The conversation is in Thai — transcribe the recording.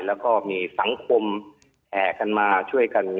แล้วก็มีสังคมแห่กันมาช่วยกัน